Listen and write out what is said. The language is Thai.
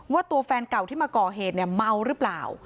ว่าตัวแฟนเก่าที่มาก่อเหตุเนี่ยเมาหรือเปล่า